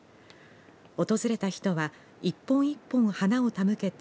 訪れた人は一本一本花を手向けて